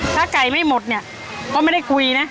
ถ้าไก่ไม่หมดเนี่ยก็ไม่ได้คุยนะ